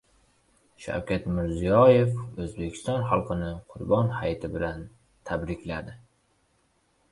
Shavkat Mirziyoev O‘zbekiston xalqini Qurbon hayiti bilan tabrikladi